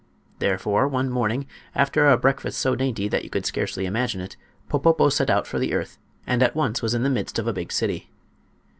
Therefore one morning, after a breakfast so dainty that you could scarcely imagine it, Popopo set out for the earth and at once was in the midst of a big city.